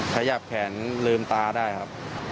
ขยับแขนลืมตาได้ครับ